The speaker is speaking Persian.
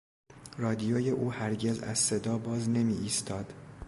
رادیوی او هرگز از صدا باز نمیایستاد.